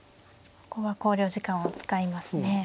ここは考慮時間を使いますね。